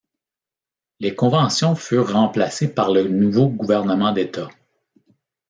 Les conventions furent remplacées par le nouveau Gouvernement d'État.